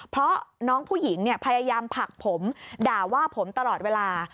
เพราะน้องผู้หญิงพยายามผลักผมด่าว่าผมตลอดเวลา